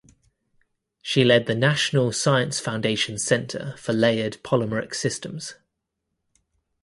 She led the National Science Foundation Center for Layered Polymeric Systems.